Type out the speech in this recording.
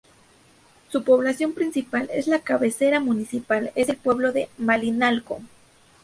Su población principal es la cabecera municipal es el pueblo de Malinalco.